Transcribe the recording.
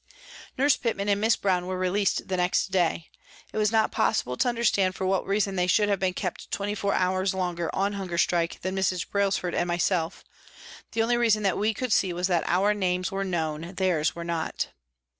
Nurse Pitman and Miss Brown were released the next day. It was not possible to understand for what reason they should have been kept twenty four hours longer on hunger strike than Mrs. Brailsford and myself ; the only reason that we could see was that our names were known, theirs were not